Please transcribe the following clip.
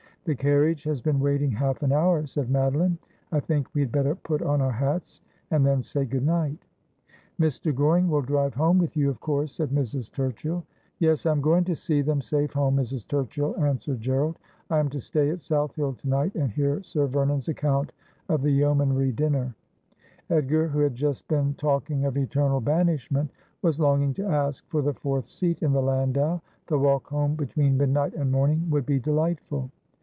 ' The carriage has been waiting half an hour,' said Mado line. ' I think we had better put on our hats, and then say good night.' 168 Asphodel, ' Mr. Goring will drive home with you, of course,' said Mrs. Turchill. ' Yes ; I am going to see them safe home, Mrs. Turchill,' answered Gerald. 'I am to stay at South Hill to night, and hear Sir Vernon's account of the Yeomanry dinner.' Edgar, who had just been talking of eternal banishment, was longing to ask for the fourth seat in the landau. The walk home between midnight and morning would be delightful.